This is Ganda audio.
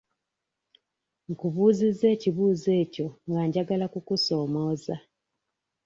Nkubuuzizza ekibuuzo ekyo nga njagala kukusoomooza.